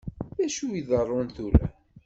Dacu i iḍeṛṛun tura?